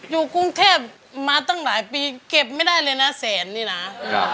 อยู่กรุงเทพมาตั้งหลายปีเก็บไม่ได้เลยนะแสนนี่นะ